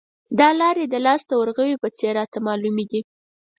دا لارې د لاس د ورغوي په څېر راته معلومې دي.